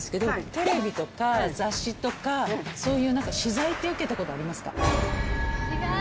テレビとか雑誌とかそういう取材って受けた事ありますか？